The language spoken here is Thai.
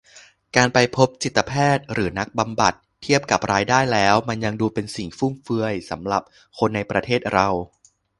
การไปพบจิตแพทย์หรือนักบำบัด เทียบกับรายได้แล้วมันยังดูเป็นสิ่งฟุ่มเฟือยสำหรับคนในประเทศเรา